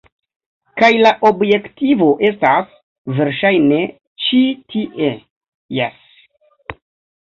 Kaj la objektivo estas, verŝajne, ĉi tie. Jes.